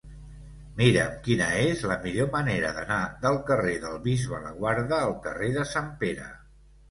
Mira'm quina és la millor manera d'anar del carrer del Bisbe Laguarda al carrer de Sant Pere.